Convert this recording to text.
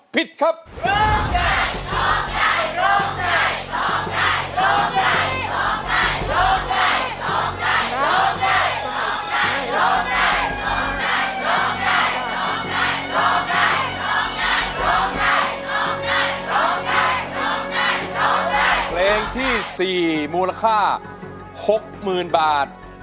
เปรียบความรักที่เหมือนมน